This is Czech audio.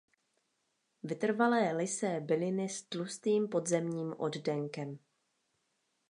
Vytrvalé lysé byliny s tlustým podzemním oddenkem.